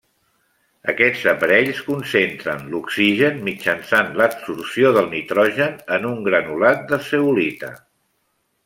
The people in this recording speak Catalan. Aquests aparells concentren l'oxigen mitjançant l'adsorció del nitrogen en un granulat de zeolita.